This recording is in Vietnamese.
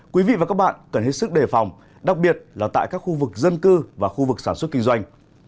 quý vị và các bạn cần hết sức đề phòng đặc biệt là tại các khu vực dân cư và khu vực sản xuất kinh doanh